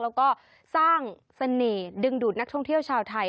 แล้วก็สร้างเสน่ห์ดึงดูดนักท่องเที่ยวชาวไทย